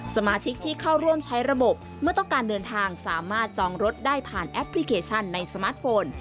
สมาชิกที่เข้าร่วมใช้ระบบเมื่อต้องการเดินทางสามารถจองรถได้ผ่านแอปพลิเคชันในสมาร์ทโฟน